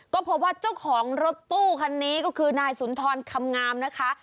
ก็พบว่าเจ้าของรถตู้คันนี้ก็คือนายสุนทรคำงามนะคะ